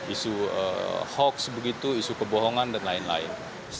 isu hoax begitu isu kebohongan dan lain lain